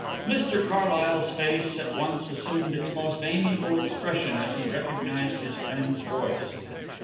Mr Carlyle's face at once assumed its most amiable expression as he recognized his friend's voice.